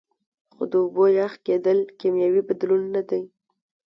خو د اوبو یخ کیدل کیمیاوي بدلون نه دی